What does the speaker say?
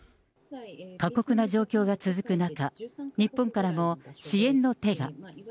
過酷な状況が続く中、日本からも支援の手が。